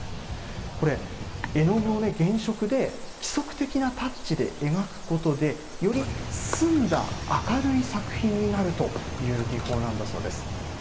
これ、絵の具を原色で規則的なタッチで描くことで、より澄んだ明るい作品になるという技法なんだそうです。